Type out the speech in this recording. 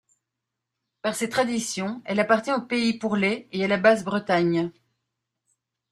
Par ses traditions elle appartient au Pays Pourlet et à la Basse Bretagne.